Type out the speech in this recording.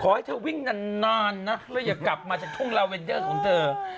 ให้เธอวิ่งนานนะแล้วอย่ากลับมาจากทุ่งลาเวนเดอร์ของเธอ